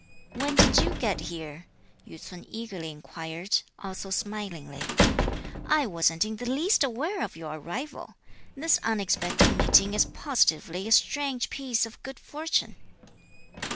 "When did you get here?" Yü ts'un eagerly inquired also smilingly. "I wasn't in the least aware of your arrival. This unexpected meeting is positively a strange piece of good fortune."